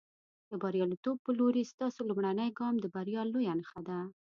د برياليتوب په لورې، ستاسو لومړنی ګام د بریا لویه نښه ده.